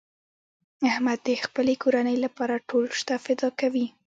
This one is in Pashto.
احمد د خپلې کورنۍ لپاره ټول شته فدا کوي.